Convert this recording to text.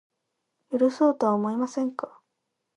許そうとは思いませんか